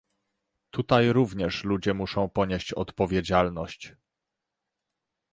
Tutaj również ludzie muszą ponieść odpowiedzialność